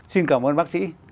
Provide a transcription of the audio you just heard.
xin cảm ơn bác sĩ